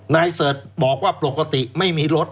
เสิร์ชบอกว่าปกติไม่มีรถ